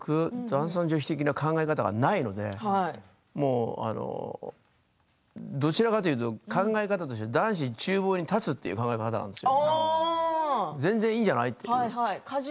男尊女卑的な考え方がないのでどちらかというと考え方として男子ちゅう房に立つという考え方なんですよ全然いいんじゃない？